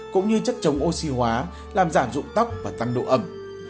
cũng như chất chống oxy hóa làm giảm dụng tóc và tăng độ ẩm